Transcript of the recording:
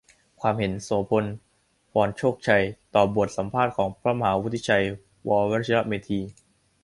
ความเห็น โสภณ พรโชคชัย ต่อบทสัมภาษณ์ของพระมหาวุฒิชัย ว.วชิรเมธี